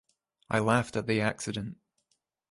I laughed at the accident.